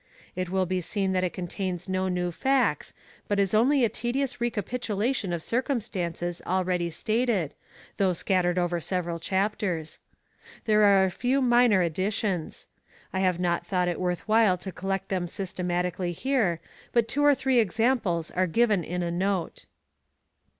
It will be seen that it contains no new facts, but is only a tedious recapitu lation of circumstances already stated, though scattered over several chapters. There are a few minor additions. I have not thought it worth while to collect them systematically here, but two or three examples are given in a note.